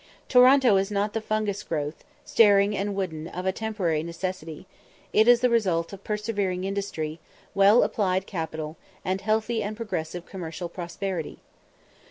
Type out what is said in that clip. Toronto is not the fungus growth, staring and wooden, of a temporary necessity; it is the result of persevering industry, well applied capital, and healthy and progressive commercial prosperity.